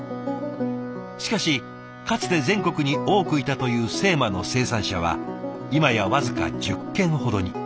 しかしかつて全国に多くいたという精麻の生産者は今や僅か１０軒ほどに。